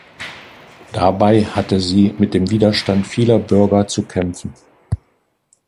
Dabei hatte sie mit dem Widerstand vieler Bürger zu kämpfen.